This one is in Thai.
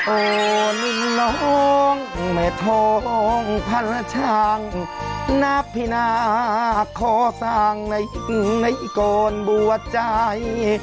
โอ้นิ่นน้องหม่าทองพระชาญณพินาคขอสร้างในกรรมบัวใจ